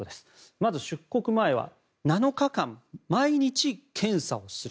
まず、出国前は７日間、毎日検査をする。